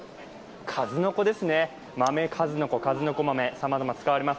数の子ですね、豆数の子、さまざま使われます。